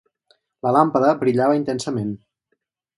La làmpada brillava intensament.